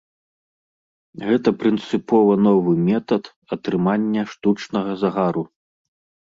Гэта прынцыпова новы метад атрымання штучнага загару.